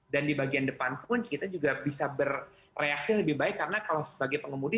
dan di bagian depan pun kita juga bisa bereaksi lebih baik karena kalau sebagai pengemudi